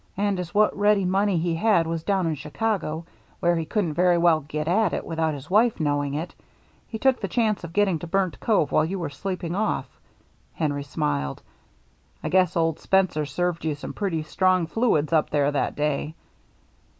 And as what ready money he had was down in Chicago, where he couldn't very well get at it without his wife knowing it, he HARBOR LIGHTS 391 took the chance of getting to Burnt Cove while you were sleeping off —" Henry smiled. " I guess old Spencer served you some pretty strong fluids up there that day.